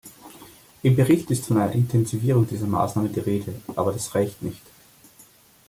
Im Bericht ist von einer Intensivierung dieser Maßnahmen die Rede, aber das reicht nicht.